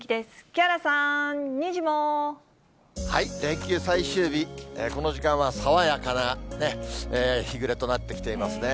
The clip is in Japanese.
木原さん、連休最終日、この時間は爽やかな日暮れとなってきていますね。